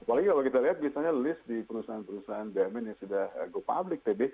apalagi kalau kita lihat misalnya list di perusahaan perusahaan bumn yang sudah go public tbc